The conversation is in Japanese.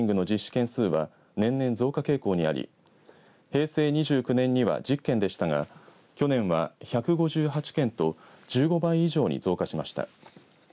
件数は年々増加傾向にあり平成２９年には１０件でしたが去年は１５８件と１５倍以上に増加しました。